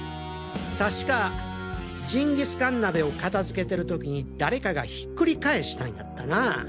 確かジンギスカン鍋を片付けてる時に誰かがひっくり返したんやったな？